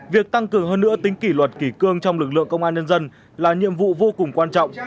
việc tăng cường hơn nữa tính kỷ luật kỷ cương trong lực lượng công an nhân dân là nhiệm vụ vô cùng quan trọng